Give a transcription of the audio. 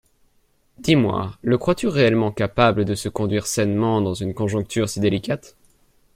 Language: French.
Dis-moi, le crois-tu réellement capable de se conduire sainement dans une conjoncture si délicate ?